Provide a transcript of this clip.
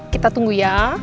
kita tunggu ya